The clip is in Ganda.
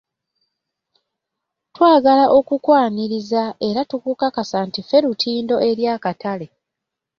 Twagala okukwaniriza era tukukakasa nti ffe lutindo eri akatale.